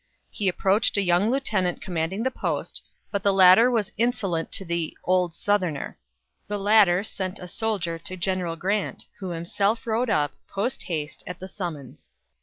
He approached a young lieutenant commanding the post, but the latter was insolent to the "old Southerner." The latter sent a soldier to General Grant, who himself rode up, post haste, at the summons.